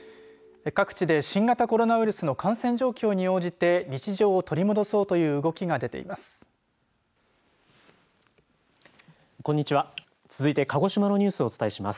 各地で新型コロナウイルスの感染状況に応じて日常を取り戻そうという動きが出ています。